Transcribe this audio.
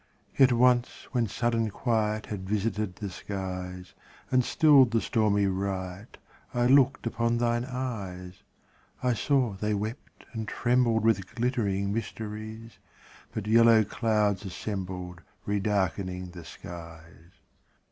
Yet once when sudden quiet Had visited the skies, And stilled the stormy riot, I looked upon thine eyes. I saw they wept and trembled With glittering mysteries, But yellow clouds assembled Redarkening the skies.